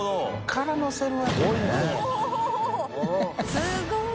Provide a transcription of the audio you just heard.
すごい。